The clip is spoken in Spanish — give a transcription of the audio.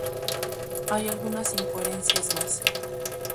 Hay algunas incoherencias más.